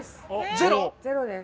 ゼロです。